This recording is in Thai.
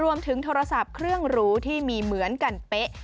รวมถึงโทรศัพท์เครื่องหรูที่มีเหมือนกันเป๊ะ